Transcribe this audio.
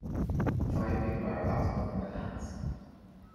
Five people are about to perform a dance.